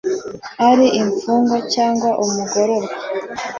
ari imfungwa cyangwa umugororwa